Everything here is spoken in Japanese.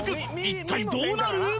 一体どうなる！？